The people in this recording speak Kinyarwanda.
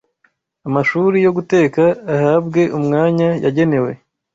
Amashuri yo Guteka Ahabwe Umwanya Yagenewe